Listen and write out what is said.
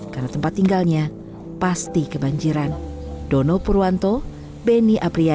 karena tempat tinggalnya pasti kebanjiran